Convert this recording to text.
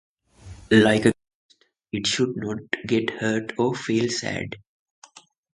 Like a guest, it should not get hurt or feel sad.